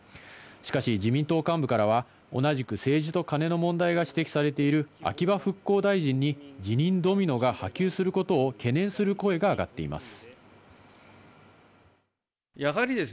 しかし、自民党幹部からは同じく政治とカネの問題が指摘されている秋葉復興大臣に辞任ドミノが波及することを懸念する声が上がっています。